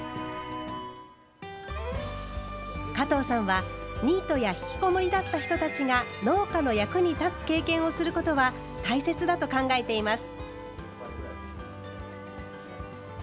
加藤さんはニートや引きこもりだった人たちが農家の役に立つ経験をすることは大切だと考えています。